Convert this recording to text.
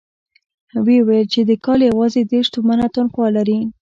ويې ويل چې د کال يواځې دېرش تومنه تنخوا لري.